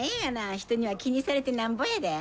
人には気にされてなんぼやで。